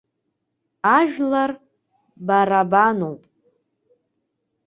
Ажәлар барабануп!